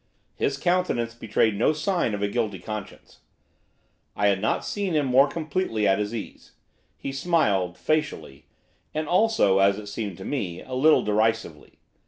His countenance betrayed no sign of a guilty conscience; I had not seen him more completely at his ease. He smiled, facially, and also, as it seemed to me, a little derisively.